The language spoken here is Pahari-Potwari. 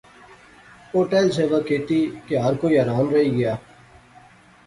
او ٹہل سیوا کیتی کہ ہر کوئی حیران رہی گیا